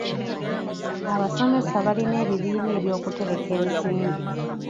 Abasomesa balina ebibiina eby'okutereka ensimbi.